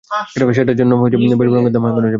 সেটার জন্য বেশ বড় অঙ্কের দাম হাঁকানো যাবে।